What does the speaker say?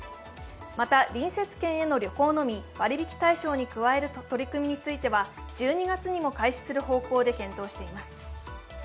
また、隣接県への旅行のみ割引対象に加える取り組みについては１２月にも開始する方向で検討しています。